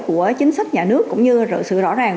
của chính sách nhà nước cũng như sự rõ ràng